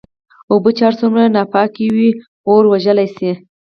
اوبه چې هرڅومره ناپاکي وي اور وژلی شې.